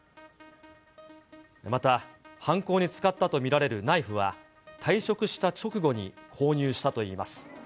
また犯行に使ったと見られるナイフは、退職した直後に購入したといいます。